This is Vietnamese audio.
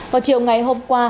vào chiều ngày hôm qua